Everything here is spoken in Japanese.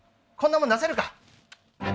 こんなもん出せるか！